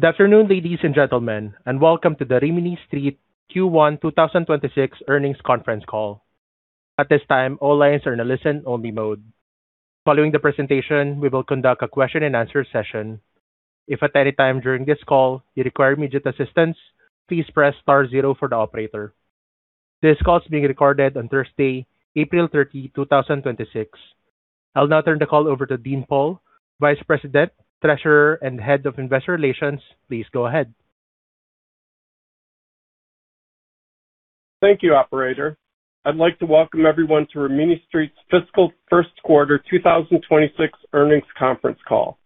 Good afternoon, ladies and gentlemen, and welcome to the Rimini Street Q1 2026 earnings conference call. This call is being recorded on Thursday, April 30, 2026. I'll now turn the call over to Dean Pohl, Vice President, Treasurer, and Head of Investor Relations. Please go ahead. Thank you, operator. I'd like to welcome everyone to Rimini Street's fiscal first quarter 2026 earnings conference call.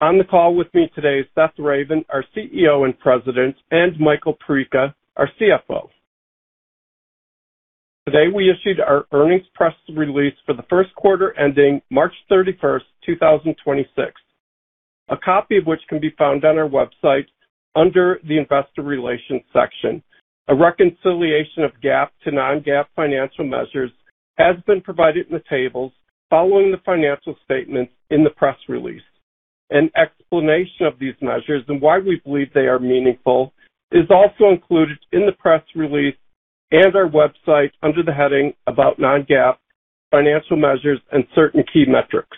On the call with me today is Seth Ravin, our CEO and President, and Michael Perica, our CFO. Today, we issued our earnings press release for the first quarter ending March 31st, 2026. A copy of which can be found on our website under the Investor Relations section. A reconciliation of GAAP to Non-GAAP financial measures has been provided in the tables following the financial statements in the press release. An explanation of these measures and why we believe they are meaningful is also included in the press release and our website under the heading About Non-GAAP Financial Measures and Certain Key Metrics.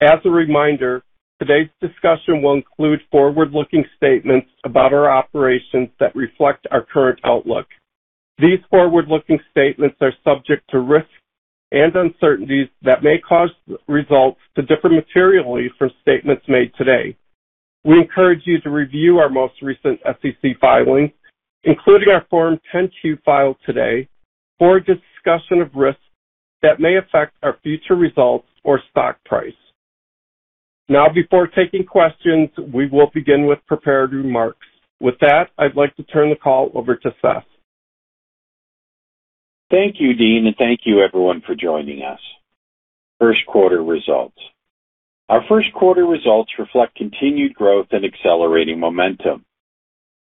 As a reminder, today's discussion will include forward-looking statements about our operations that reflect our current outlook. These forward-looking statements are subject to risks and uncertainties that may cause results to differ materially from statements made today. We encourage you to review our most recent SEC filings, including our Form 10-Q filed today for a discussion of risks that may affect our future results or stock price. Before taking questions, we will begin with prepared remarks. With that, I'd like to turn the call over to Seth. Thank you, Dean Pohl, and thank you, everyone, for joining us. First quarter results. Our first quarter results reflect continued growth and accelerating momentum.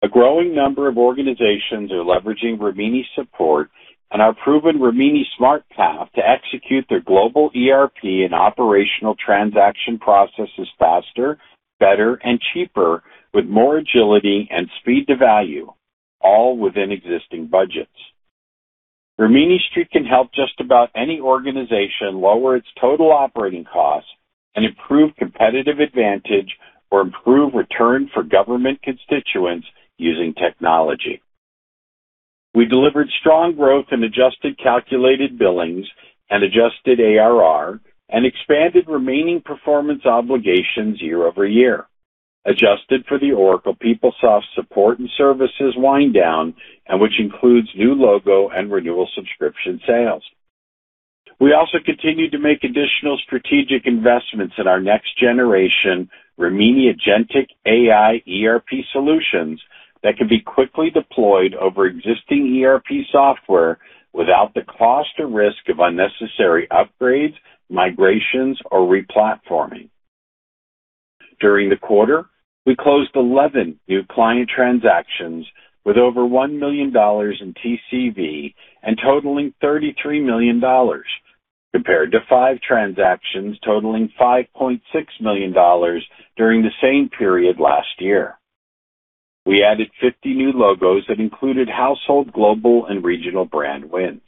A growing number of organizations are leveraging Rimini Support and our proven Rimini Smart Path to execute their global ERP and operational transaction processes faster, better, and cheaper, with more agility and speed to value, all within existing budgets. Rimini Street can help just about any organization lower its total operating costs and improve competitive advantage or improve return for government constituents using technology. We delivered strong growth in adjusted calculated billings and adjusted ARR and expanded remaining performance obligations year-over-year, adjusted for the Oracle PeopleSoft support and services wind down and which includes new logo and renewal subscription sales. We also continued to make additional strategic investments in our next-generation Rimini Agentic AI ERP solutions that can be quickly deployed over existing ERP software without the cost or risk of unnecessary upgrades, migrations, or replat forming. During the quarter, we closed 11 new client transactions with over $1 million in TCV and totaling $33 million, compared to 5 transactions totaling $5.6 million during the same period last year. We added 50 new logos that included household global and regional brand wins.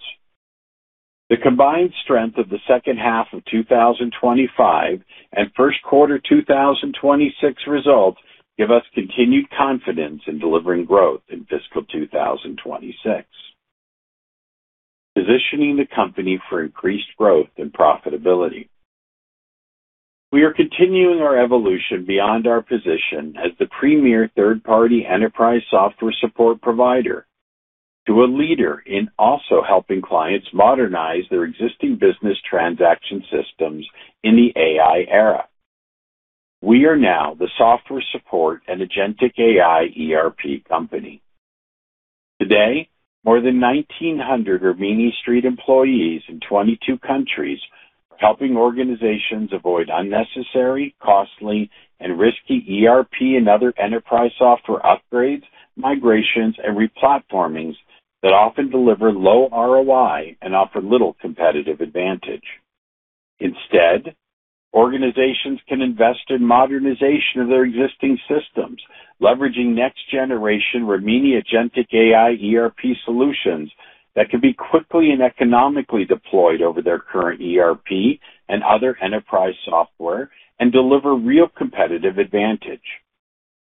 The combined strength of the second half of 2025 and first quarter 2026 results give us continued confidence in delivering growth in fiscal 2026. Positioning the company for increased growth and profitability. We are continuing our evolution beyond our position as the premier third-party enterprise software support provider to a leader in also helping clients modernize their existing business transaction systems in the AI era. We are now the software support and Rimini Agentic AI ERP company. Today, more than 1,900 Rimini Street employees in 22 countries are helping organizations avoid unnecessary, costly, and risky ERP and other enterprise software upgrades, migrations, and replatformings that often deliver low ROI and offer little competitive advantage. Instead, organizations can invest in modernization of their existing systems, leveraging next-generation Rimini Agentic AI ERP solutions that can be quickly and economically deployed over their current ERP and other enterprise software and deliver real competitive advantage.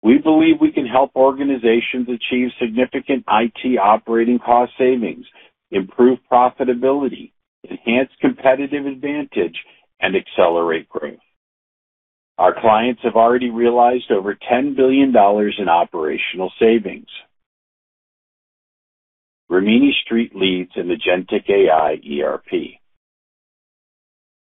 We believe we can help organizations achieve significant IT operating cost savings, improve profitability, enhance competitive advantage, and accelerate growth. Our clients have already realized over $10 billion in operational savings. Rimini Street leads in Agentic AI ERP.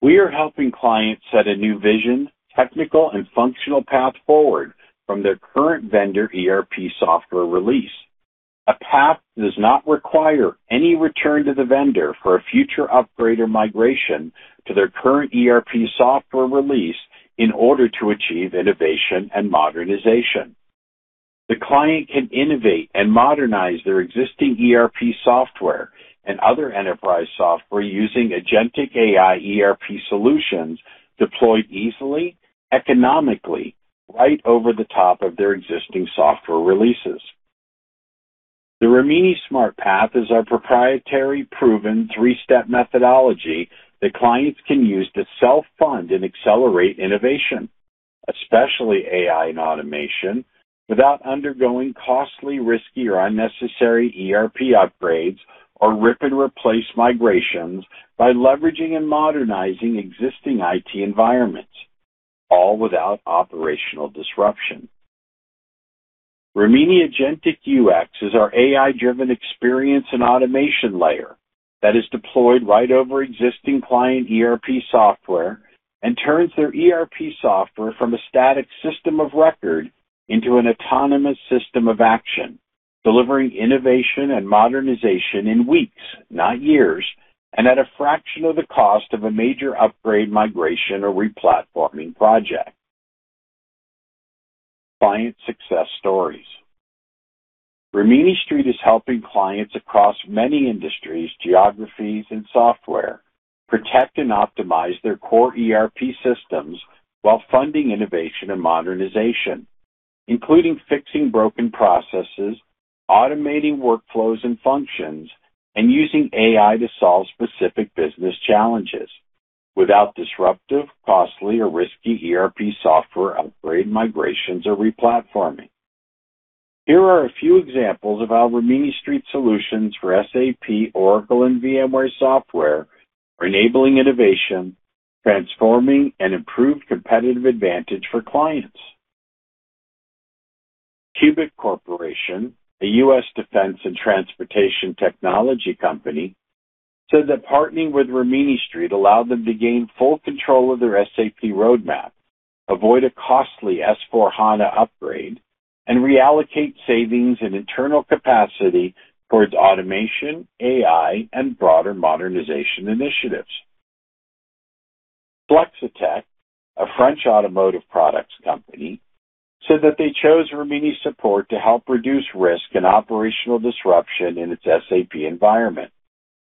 We are helping clients set a new vision, technical, and functional path forward from their current vendor ERP software release. A path that does not require any return to the vendor for a future upgrade or migration to their current ERP software release in order to achieve innovation and modernization. The client can innovate and modernize their existing ERP software and other enterprise software using Agentic AI ERP solutions deployed easily, economically, right over the top of their existing software releases. The Rimini Smart Path is our proprietary, proven three-step methodology that clients can use to self-fund and accelerate innovation, especially AI and automation, without undergoing costly, risky, or unnecessary ERP upgrades or rip-and-replace migrations by leveraging and modernizing existing IT environments, all without operational disruption. Rimini Agentic UX is our AI-driven experience and automation layer that is deployed right over existing client ERP software and turns their ERP software from a static system of record into an autonomous system of action, delivering innovation and modernization in weeks, not years, and at a fraction of the cost of a major upgrade, migration, or replatforming project. Client success stories. Rimini Street is helping clients across many industries, geographies, and software protect and optimize their core ERP systems while funding innovation and modernization, including fixing broken processes, automating workflows and functions, and using AI to solve specific business challenges without disruptive, costly, or risky ERP software upgrade migrations or replatforming. Here are a few examples of our Rimini Street solutions for SAP, Oracle, and VMware software enabling innovation, transforming, and improved competitive advantage for clients. Cubic Corporation, a U.S. defense and transportation technology company, said that partnering with Rimini Street allowed them to gain full control of their SAP roadmap, avoid a costly SAP S/4HANA upgrade, and reallocate savings and internal capacity towards automation, AI, and broader modernization initiatives. Flextech, a French automotive products company, said that they chose Rimini Support to help reduce risk and operational disruption in its SAP environment,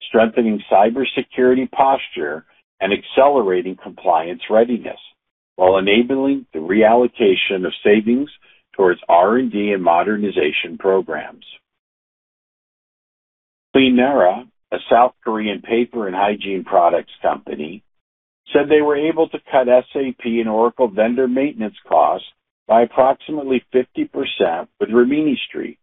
strengthening cybersecurity posture and accelerating compliance readiness while enabling the reallocation of savings towards R&D and modernization programs. KleanNara, a South Korean paper and hygiene products company, said they were able to cut SAP and Oracle vendor maintenance costs by approximately 50% with Rimini Street,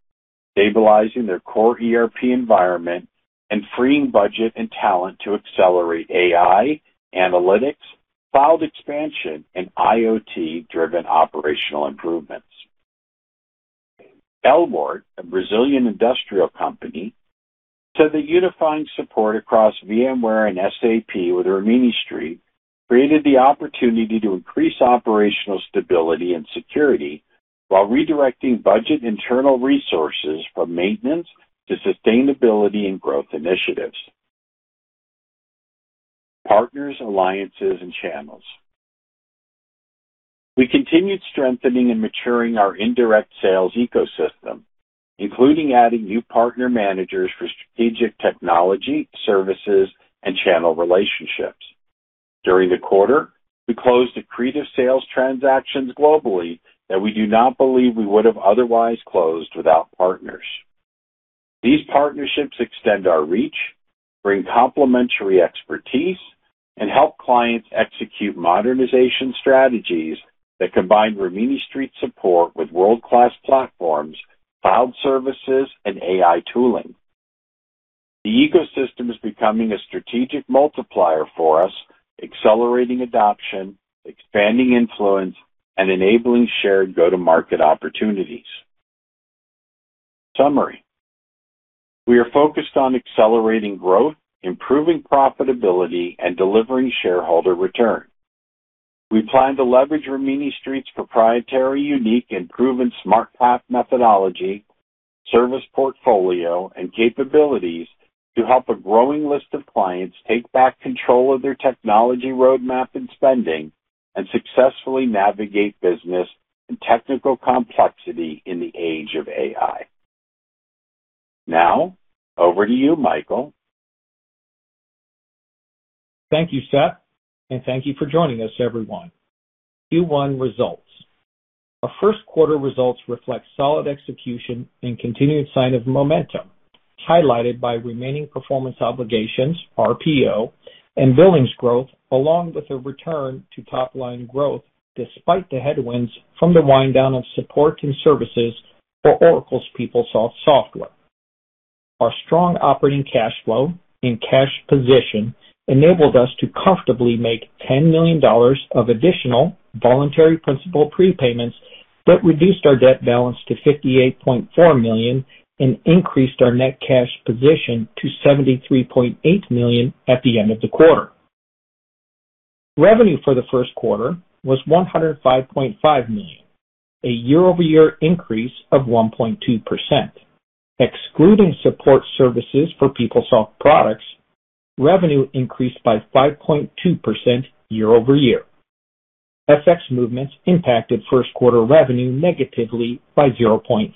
stabilizing their core ERP environment and freeing budget and talent to accelerate AI, analytics, cloud expansion, and IoT-driven operational improvements. WEG, a Brazilian industrial company, said that unifying support across VMware and SAP with Rimini Street created the opportunity to increase operational stability and security while redirecting budget internal resources from maintenance to sustainability and growth initiatives. Partners, alliances, and channels. We continued strengthening and maturing our indirect sales ecosystem, including adding new partner managers for strategic technology, services, and channel relationships. During the quarter, we closed accretive sales transactions globally that we do not believe we would have otherwise closed without partners. These partnerships extend our reach, bring complementary expertise, and help clients execute modernization strategies that combine Rimini Street Support with world-class platforms, cloud services, and AI tooling. The ecosystem is becoming a strategic multiplier for us, accelerating adoption, expanding influence, and enabling shared go-to-market opportunities. Summary. We are focused on accelerating growth, improving profitability, and delivering shareholder return. We plan to leverage Rimini Street's proprietary, unique, and proven Smart Path methodology, service portfolio, and capabilities to help a growing list of clients take back control of their technology roadmap and spending and successfully navigate business and technical complexity in the age of AI. Now, over to you, Michael. Thank you, Seth, and thank you for joining us, everyone. Q1 results. Our first quarter results reflect solid execution and continued sign of momentum, highlighted by remaining performance obligations, RPO, and billings growth along with a return to top-line growth despite the headwinds from the wind-down of support and services for Oracle's PeopleSoft software. Our strong operating cash flow and cash position enabled us to comfortably make $10 million of additional voluntary principal prepayments that reduced our debt balance to $58.4 million and increased our net cash position to $73.8 million at the end of the quarter. Revenue for the first quarter was $105.5 million, a year-over-year increase of 1.2%. Excluding support services for PeopleSoft products, revenue increased by 5.2% year-over-year. FX movements impacted first quarter revenue negatively by 0.5%.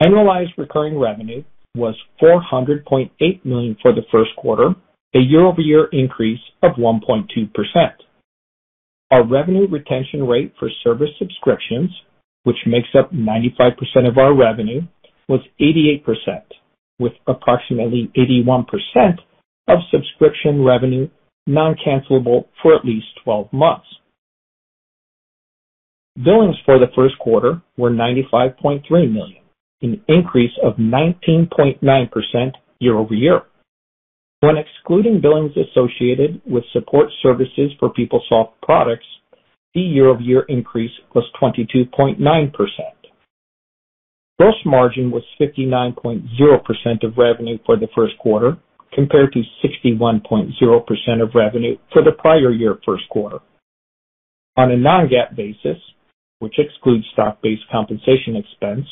Annualized recurring revenue was $400.8 million for the first quarter, a year-over-year increase of 1.2%. Our revenue retention rate for service subscriptions, which makes up 95% of our revenue, was 88%, with approximately 81% of subscription revenue non-cancelable for at least 12 months. Billings for the first quarter were $95.3 million, an increase of 19.9% year-over-year. When excluding billings associated with support services for PeopleSoft products, the year-over-year increase was 22.9%. Gross margin was 59.0% of revenue for the first quarter, compared to 61.0% of revenue for the prior year first quarter. On a Non-GAAP basis, which excludes stock-based compensation expense,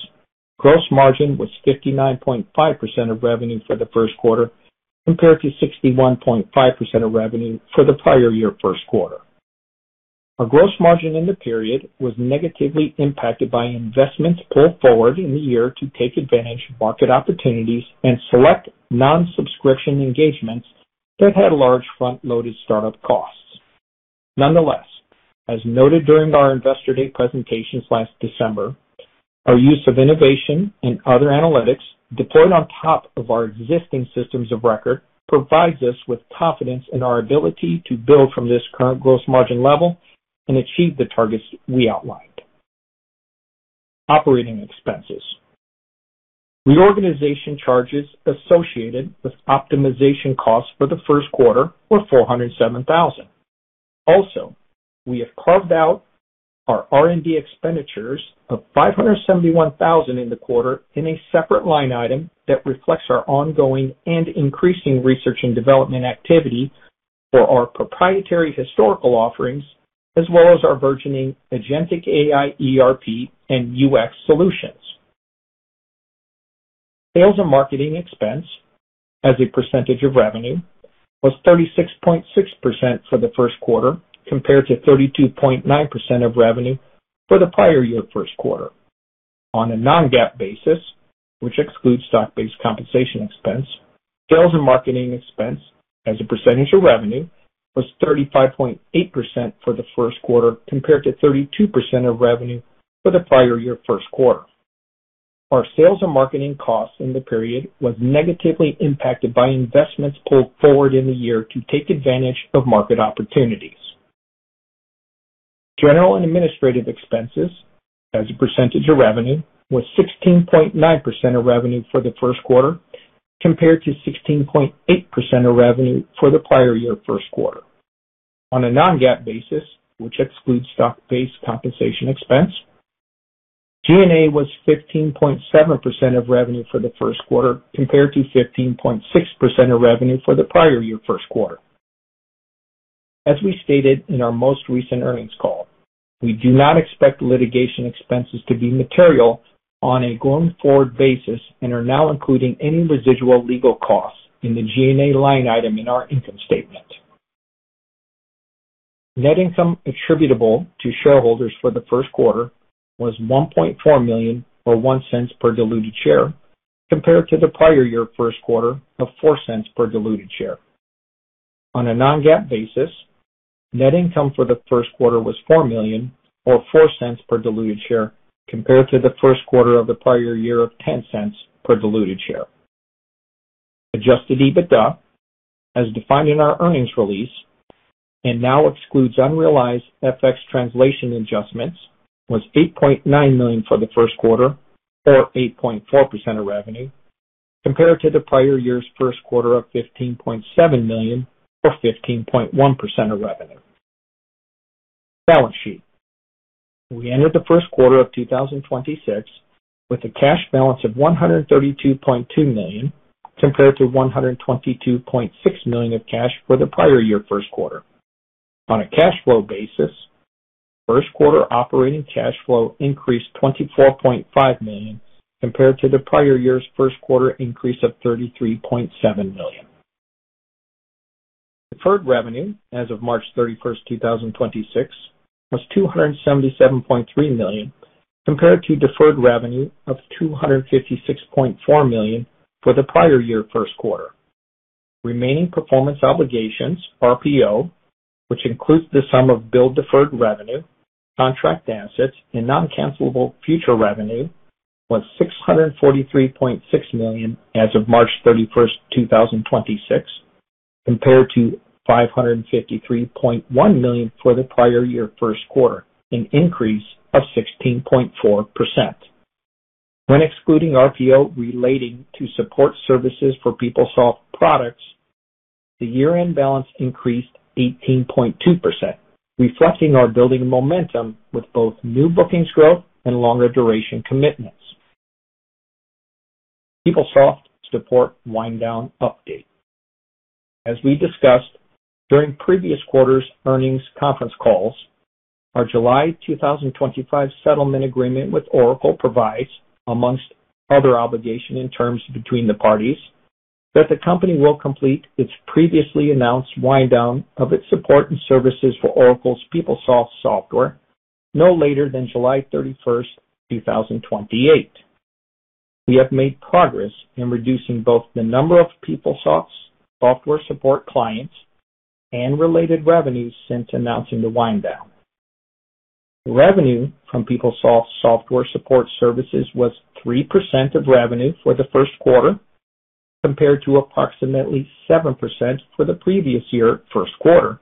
gross margin was 59.5% of revenue for the first quarter, compared to 61.5% of revenue for the prior year first quarter. Our gross margin in the period was negatively impacted by investments pulled forward in the year to take advantage of market opportunities and select non-subscription engagements that had large front-loaded start-up costs. As noted during our Investor Day presentations last December, our use of innovation and other analytics deployed on top of our existing systems of record provides us with confidence in our ability to build from this current gross margin level and achieve the targets we outlined. Operating expenses. Reorganization charges associated with optimization costs for the first quarter were $407,000. We have carved out our R&D expenditures of $571,000 in the quarter in a separate line item that reflects our ongoing and increasing research and development activity for our proprietary historical offerings, as well as our burgeoning Agentic AI ERP and UX solutions. Sales and marketing expense as a percentage of revenue was 36.6% for the first quarter, compared to 32.9% of revenue for the prior year first quarter. On a Non-GAAP basis, which excludes stock-based compensation expense, sales and marketing expense as a percentage of revenue was 35.8% for the first quarter, compared to 32% of revenue for the prior year first quarter. Our sales and marketing costs in the period was negatively impacted by investments pulled forward in the year to take advantage of market opportunities. General and administrative expenses as a percentage of revenue was 16.9% of revenue for the first quarter, compared to 16.8% of revenue for the prior year first quarter. On a Non-GAAP basis, which excludes stock-based compensation expense, G&A was 15.7% of revenue for the first quarter, compared to 15.6% of revenue for the prior year first quarter. As we stated in our most recent earnings call, we do not expect litigation expenses to be material on a going-forward basis and are now including any residual legal costs in the G&A line item in our income statement. Net income attributable to shareholders for the first quarter was $1.4 million, or $0.01 per diluted share, compared to the prior year first quarter of $0.04 per diluted share. On a Non-GAAP basis, net income for the first quarter was $4 million, or $0.04 per diluted share, compared to the first quarter of the prior year of $0.10 per diluted share. Adjusted EBITDA, as defined in our earnings release and now excludes unrealized FX translation adjustments, was $8.9 million for the first quarter, or 8.4% of revenue, compared to the prior year's first quarter of $15.7 million, or 15.1% of revenue. Balance sheet. We ended the first quarter of 2026 with a cash balance of $132.2 million, compared to $122.6 million of cash for the prior year first quarter. On a cash flow basis, first quarter operating cash flow increased $24.5 million, compared to the prior year's first quarter increase of $33.7 million. Deferred revenue as of March 31, 2026 was $277.3 million, compared to deferred revenue of $256.4 million for the prior year first quarter. Remaining performance obligations, RPO, which includes the sum of billed deferred revenue, contract assets, and non-cancelable future revenue, was $643.6 million as of March 31, 2026, compared to $553.1 million for the prior year first quarter, an increase of 16.4%. When excluding RPO relating to support services for PeopleSoft products, the year-end balance increased 18.2%, reflecting our building momentum with both new bookings growth and longer duration commitments. PeopleSoft support wind down update. Our July 2025 settlement agreement with Oracle provides, amongst other obligation in terms between the parties, that the company will complete its previously announced wind down of its support and services for Oracle's PeopleSoft software no later than July 31, 2028. We have made progress in reducing both the number of PeopleSoft's software support clients and related revenues since announcing the wind down. Revenue from PeopleSoft software support services was 3% of revenue for the first quarter, compared to approximately 7% for the previous year first quarter,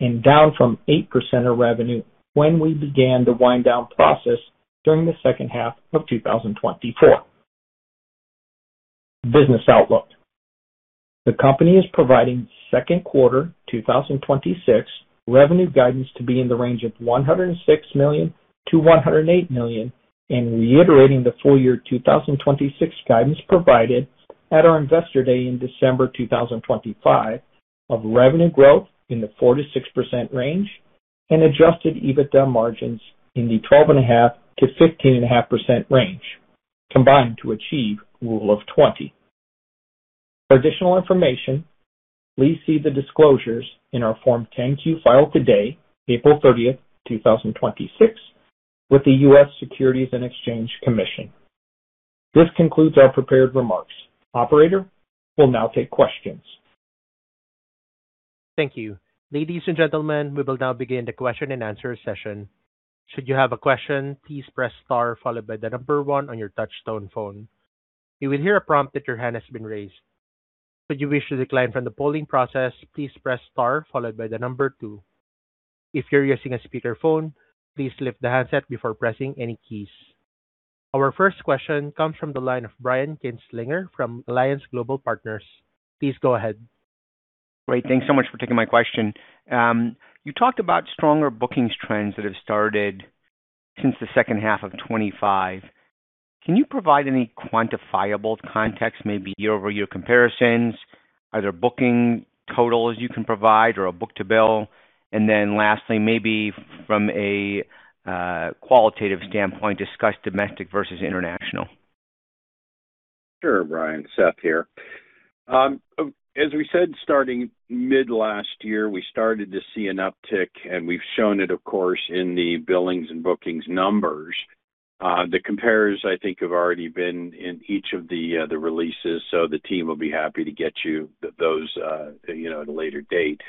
and down from 8% of revenue when we began the wind down process during the second half of 2024. Business outlook. The company is providing second quarter 2026 revenue guidance to be in the range of $106 million to $108 million, and reiterating the full year 2026 guidance provided at our investor day in December 2025 of revenue growth in the 4%-6% range and adjusted EBITDA margins in the 12.5%-15.5% range, combined to achieve rule of twenty. For additional information, please see the disclosures in our Form 10-Q filed today, April 30, 2026, with the U.S. Securities and Exchange Commission. This concludes our prepared remarks. Operator, we'll now take questions. Thank you. Ladies and gentlemen, we will now begin the question and answer session. Should you have a question, please press star followed by the number one on your touch tone phone. You will hear a prompt that your hand has been raised. Should you wish to decline from the polling process, please press star followed by the number two. If you're using a speakerphone, please lift the handset before pressing any keys. Our first question comes from the line of Brian Kinstlinger from Alliance Global Partners. Please go ahead. Great. Thanks so much for taking my question. You talked about stronger bookings trends that have started since the second half of 2025. Can you provide any quantifiable context, maybe year-over-year comparisons, either booking totals you can provide or a book-to-bill? Lastly, maybe from a qualitative standpoint, discuss domestic versus international. Sure, Brian. Seth here. As we said, starting mid last year, we started to see an uptick, and we've shown it, of course, in the billings and bookings numbers. The comparables I think have already been in each of the releases, so the team will be happy to get you those, you know, at a later date.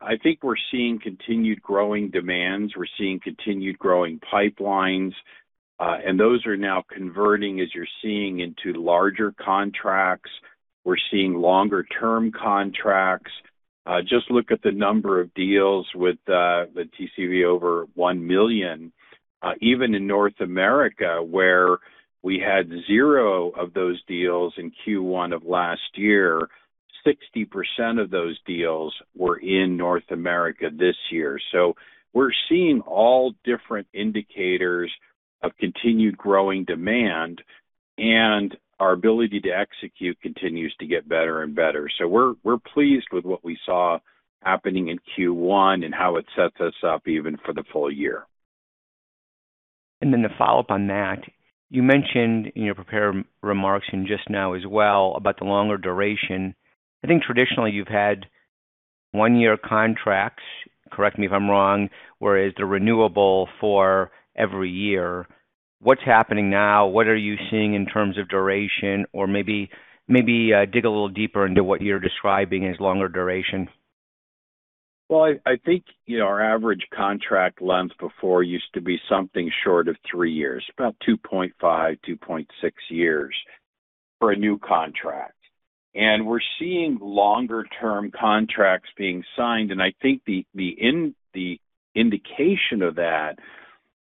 I think we're seeing continued growing demands. We're seeing continued growing pipelines, and those are now converting, as you're seeing, into larger contracts. We're seeing longer term contracts. Just look at the number of deals with the TCV over $1 million. Even in North America, where we had zero of those deals in Q1 of last year, 60% of those deals were in North America this year. We're seeing all different indicators of continued growing demand, and our ability to execute continues to get better and better. We're pleased with what we saw happening in Q1 and how it sets us up even for the full year. To follow up on that, you mentioned in your prepared remarks and just now as well about the longer duration. I think traditionally you've had one-year contracts, correct me if I'm wrong, whereas they're renewable for every year. What's happening now? What are you seeing in terms of duration? Or maybe dig a little deeper into what you're describing as longer duration. Well, I think, you know, our average contract length before used to be something short of three years, about 2.5, 2.6 years for a new contract. We're seeing longer term contracts being signed. I think the indication of that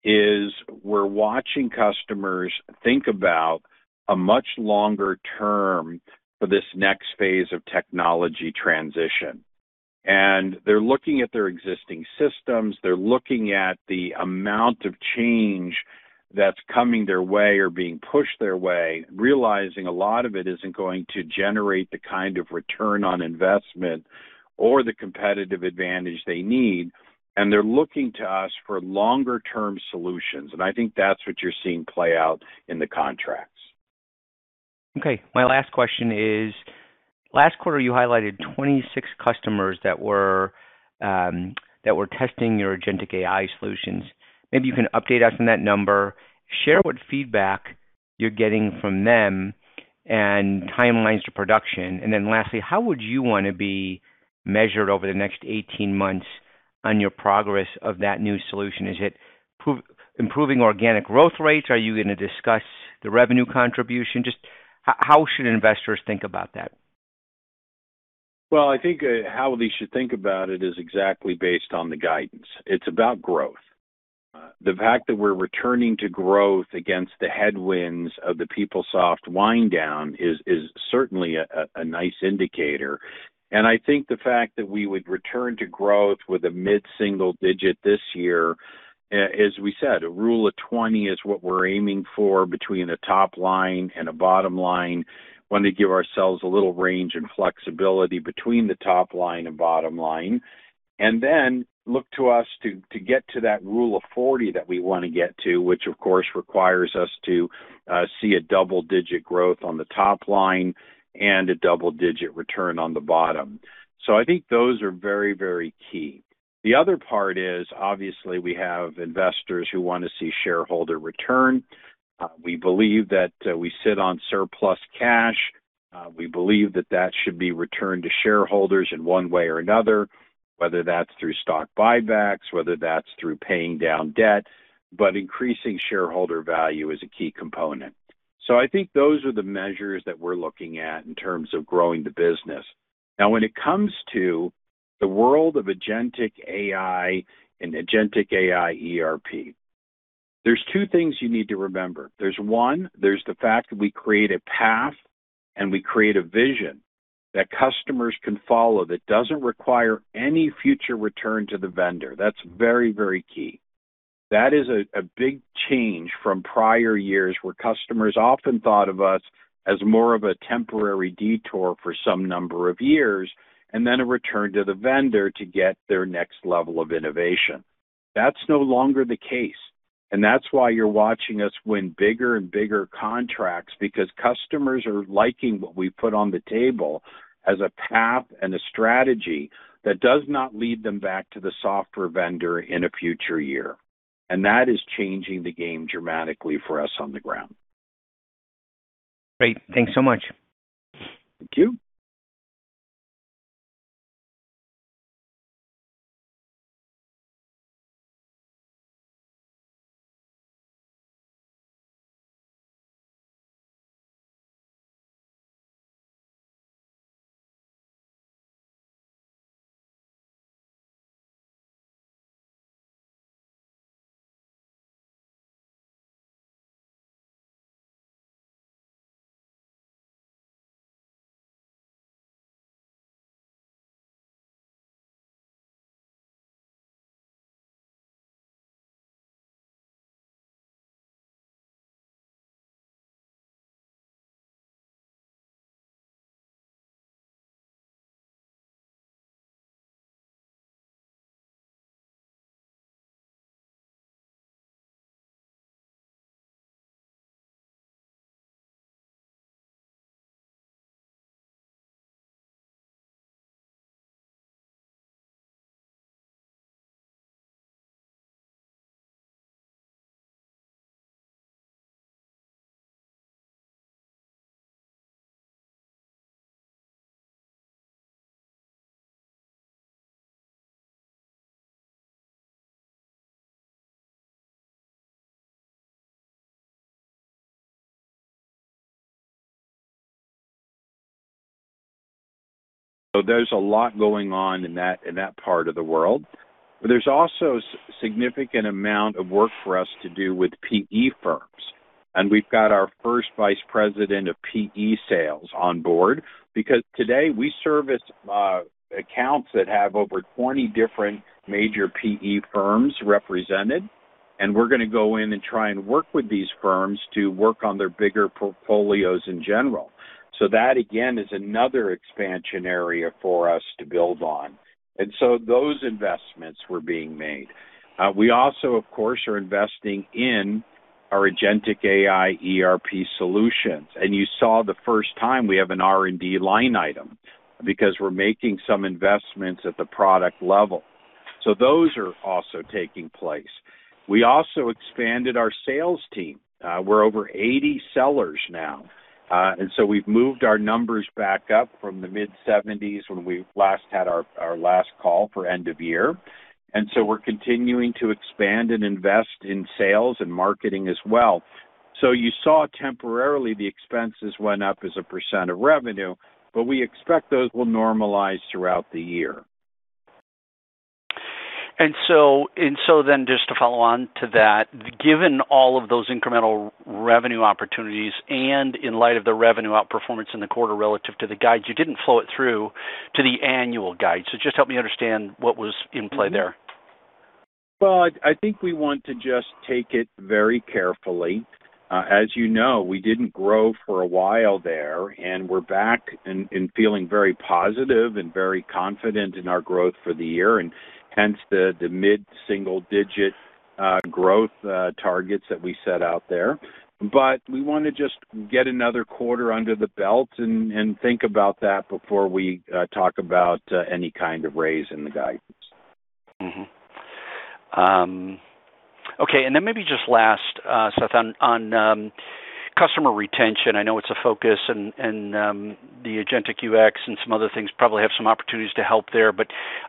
is we're watching customers think about a much longer term for this next phase of technology transition. They're looking at their existing systems. They're looking at the amount of change that's coming their way or being pushed their way, realizing a lot of it isn't going to generate the kind of return on investment or the competitive advantage they need. They're looking to us for longer term solutions. I think that's what you're seeing play out in the contracts. Okay. My last question is, last quarter you highlighted 26 customers that were testing your agentic AI solutions. Maybe you can update us on that number, share what feedback you're getting from them and timelines to production. Lastly, how would you wanna be measured over the next 18 months on your progress of that new solution? Is it improving organic growth rates? Are you gonna discuss the revenue contribution? Just how should investors think about that? Well, I think, how they should think about it is exactly based on the guidance. It's about growth. The fact that we're returning to growth against the headwinds of the PeopleSoft wind down is certainly a nice indicator. I think the fact that we would return to growth with a mid-single-digit this year. As we said, a rule of 20 is what we're aiming for between a top line and a bottom line. We want to give ourselves a little range and flexibility between the top line and bottom line. Then look to us to get to that rule of 40 that we want to get to, which of course, requires us to see a double-digit growth on the top line and a double-digit return on the bottom. I think those are very key. The other part is, obviously, we have investors who wanna see shareholder return. We believe that we sit on surplus cash. We believe that that should be returned to shareholders in one way or another, whether that's through stock buybacks, whether that's through paying down debt. Increasing shareholder value is a key component. I think those are the measures that we're looking at in terms of growing the business. Now, when it comes to the world of agentic AI and Rimini Agentic AI ERP, there's two things you need to remember. There's one, there's the fact that we create a path and we create a vision that customers can follow that doesn't require any future return to the vendor. That's very, very key. That is a big change from prior years, where customers often thought of us as more of a temporary detour for some number of years, and then a return to the vendor to get their next level of innovation. That's no longer the case, and that's why you're watching us win bigger and bigger contracts because customers are liking what we put on the table as a path and a strategy that does not lead them back to the software vendor in a future year. That is changing the game dramatically for us on the ground. Great. Thanks so much. Thank you. There's a lot going on in that, in that part of the world. There's also significant amount of work for us to do with PE firms. We've got our first Vice President of PE sales on board, because today we service accounts that have over 20 different major PE firms represented, and we're gonna go in and try and work with these firms to work on their bigger portfolios in general. That, again, is another expansion area for us to build on. Those investments were being made. We also, of course, are investing in our Agentic AI ERP solutions. You saw the first time we have an R&D line item because we're making some investments at the product level. Those are also taking place. We also expanded our sales team. We're over 80 sellers now. We've moved our numbers back up from the mid-70s% when we last had our last call for end of year. We're continuing to expand and invest in sales and marketing as well. You saw temporarily the expenses went up as a % of revenue, but we expect those will normalize throughout the year. Just to follow on to that, given all of those incremental revenue opportunities and in light of the revenue outperformance in the quarter relative to the guides, you didn't flow it through to the annual guide. Just help me understand what was in play there. Well, I think we want to just take it very carefully. As you know, we didn't grow for a while there, and we're back and feeling very positive and very confident in our growth for the year and hence the mid-single digit growth targets that we set out there. We wanna just get another quarter under the belt and think about that before we talk about any kind of raise in the guidance. Okay, maybe just last, Seth, on, customer retention. I know it's a focus and, the Agentic UX and some other things probably have some opportunities to help there.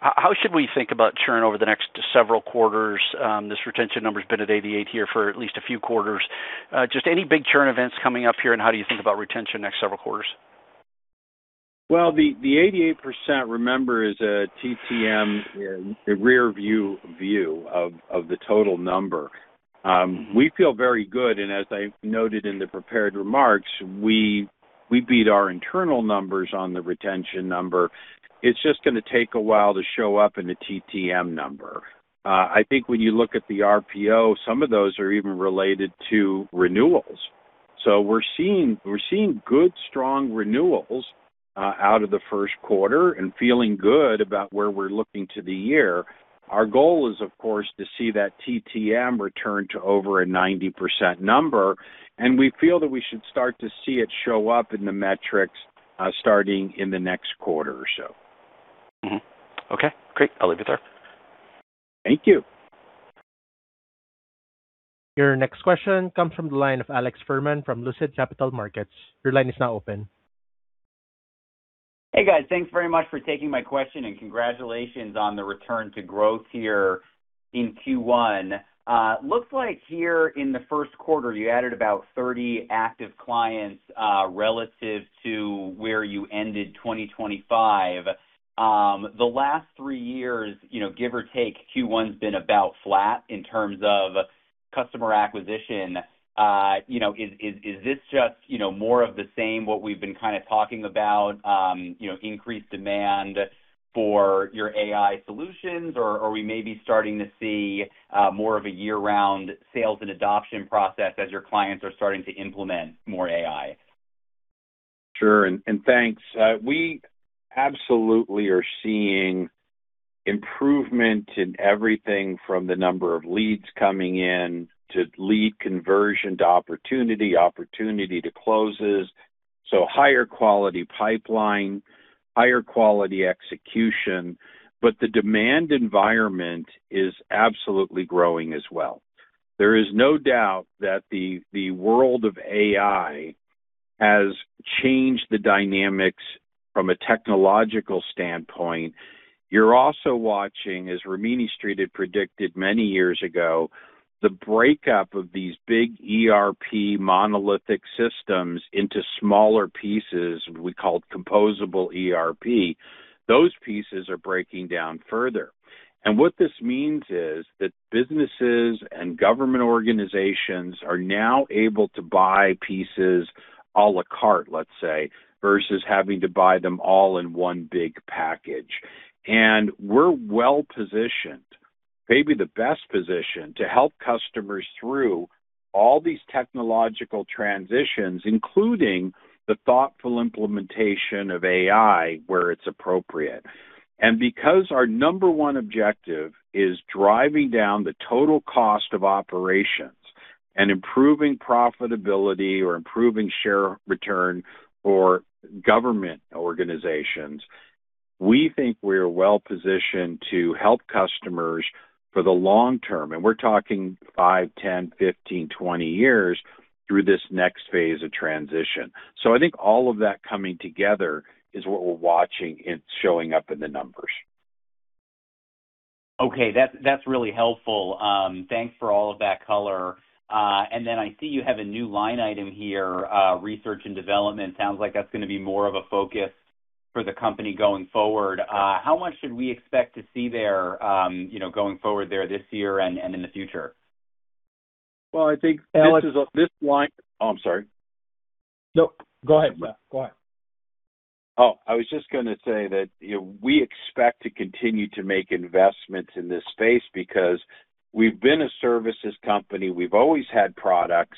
How should we think about churn over the next several quarters? This retention number's been at 88 here for at least a few quarters. Just any big churn events coming up here, and how do you think about retention next several quarters? Well, the 88%, remember, is a TTM rear view view of the total number. We feel very good. As I noted in the prepared remarks, We beat our internal numbers on the retention number. It's just gonna take a while to show up in the TTM number. I think when you look at the RPO, some of those are even related to renewals. We're seeing good, strong renewals out of the Q1 and feeling good about where we're looking to the year. Our goal is, of course, to see that TTM return to over a 90% number. We feel that we should start to see it show up in the metrics, starting in the next quarter or so. Okay, great. I'll leave it there. Thank you. Your next question comes from the line of Alex Fuhrman from Lucid Capital Markets. Your line is now open. Hey, guys. Thanks very much for taking my question. Congratulations on the return to growth here in Q1. Looks like here in the first quarter, you added about 30 active clients relative to where you ended 2025. The last three years, you know, give or take, Q1's been about flat in terms of customer acquisition. You know, is this just, you know, more of the same what we've been kind of talking about, you know, increased demand for your AI solutions? Are we maybe starting to see more of a year-round sales and adoption process as your clients are starting to implement more AI? Sure, thanks. We absolutely are seeing improvement in everything from the number of leads coming in to lead conversion to opportunity to closes. Higher quality pipeline, higher quality execution. The demand environment is absolutely growing as well. There is no doubt that the world of AI has changed the dynamics from a technological standpoint. You're also watching, as Rimini Street had predicted many years ago, the breakup of these big ERP monolithic systems into smaller pieces, we call it composable ERP. Those pieces are breaking down further. What this means is that businesses and government organizations are now able to buy pieces à la carte, let's say, versus having to buy them all in one big package. We're well-positioned, maybe the best position, to help customers through all these technological transitions, including the thoughtful implementation of AI where it's appropriate. Because our number one objective is driving down the total cost of operations and improving profitability or improving share return for government organizations, we think we are well-positioned to help customers for the long term, and we're talking 5, 10, 15, 20 years through this next phase of transition. I think all of that coming together is what we're watching and showing up in the numbers. Okay. That's, that's really helpful. Thanks for all of that color. Then I see you have a new line item here, research and development. Sounds like that's gonna be more of a focus for the company going forward. How much should we expect to see there, you know, going forward there this year and in the future? Well, I think this is a- Alex- Oh, I'm sorry. No, go ahead, Seth. Go ahead. I was just going to say that, you know, we expect to continue to make investments in this space because we've been a services company. We've always had products,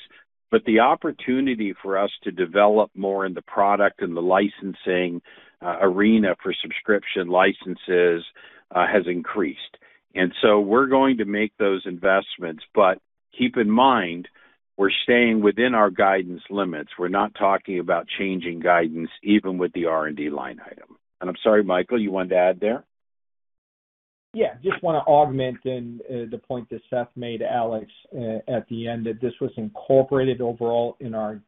but the opportunity for us to develop more in the product and the licensing arena for subscription licenses has increased. We're going to make those investments. Keep in mind, we're staying within our guidance limits. We're not talking about changing guidance even with the R&D line item. I'm sorry, Michael, you wanted to add there? Yeah. Just wanna augment in the point that Seth made, Alex, at the end, that this was incorporated overall in our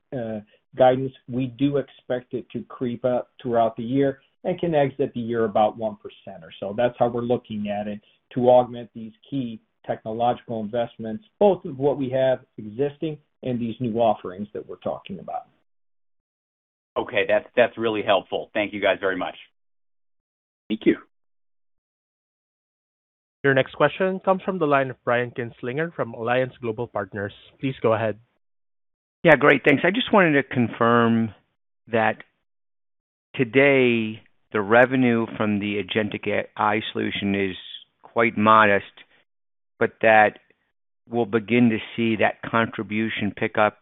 guidance. We do expect it to creep up throughout the year and can exit the year about 1% or so. That's how we're looking at it to augment these key technological investments, both of what we have existing and these new offerings that we're talking about. Okay. That's really helpful. Thank you, guys, very much. Thank you. Your next question comes from the line of Brian Kinstlinger from Alliance Global Partners. Please go ahead. Yeah, great. Thanks. I just wanted to confirm that today, the revenue from the Agentic AI solution is quite modest, but that we'll begin to see that contribution pick up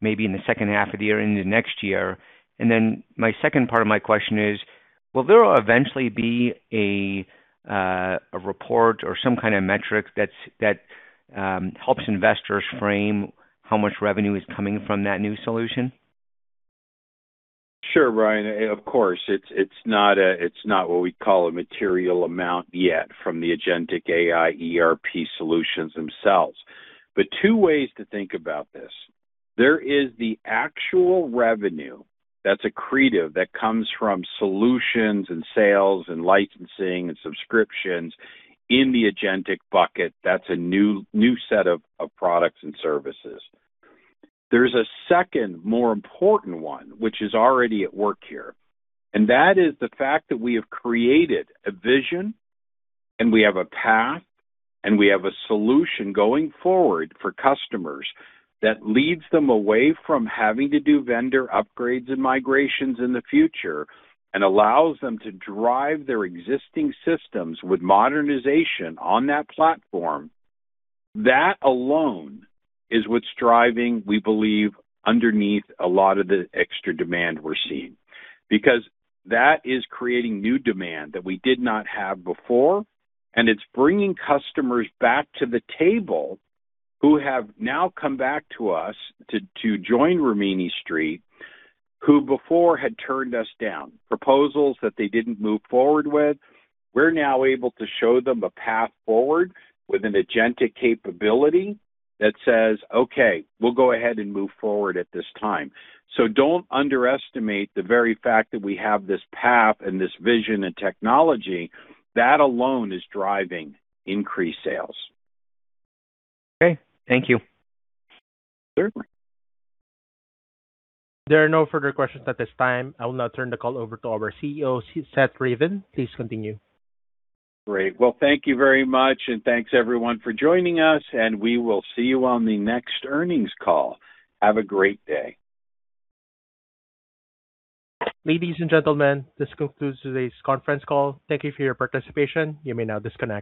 maybe in the second half of the year into next year. My second part of my question is: Will there eventually be a report or some kind of metric that helps investors frame how much revenue is coming from that new solution? Sure, Brian. Of course, it's not a, it's not what we'd call a material amount yet from the Agentic AI ERP solutions themselves. Two ways to think about this. There is the actual revenue that's accretive that comes from solutions and sales and licensing and subscriptions in the Agentic bucket. That's a new set of products and services. There's a second more important one, which is already at work here, and that is the fact that we have created a vision, and we have a path, and we have a solution going forward for customers that leads them away from having to do vendor upgrades and migrations in the future and allows them to drive their existing systems with modernization on that platform. That alone is what's driving, we believe, underneath a lot of the extra demand we're seeing. That is creating new demand that we did not have before, and it's bringing customers back to the table who have now come back to us to join Rimini Street, who before had turned us down. Proposals that they didn't move forward with, we're now able to show them a path forward with an Agentic capability that says, "Okay, we'll go ahead and move forward at this time." Don't underestimate the very fact that we have this path and this vision and technology. That alone is driving increased sales. Okay. Thank you. Sure. There are no further questions at this time. I will now turn the call over to our CEO, Seth Ravin. Please continue. Great. Well, thank you very much, and thanks everyone for joining us, and we will see you on the next earnings call. Have a great day. Ladies and gentlemen, this concludes today's conference call. Thank you for your participation. You may now disconnect.